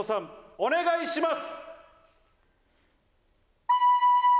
お願いします！